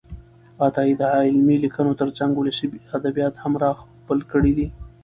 عطايي د علمي لیکنو ترڅنګ ولسي ادبیات هم راخپل کړي دي.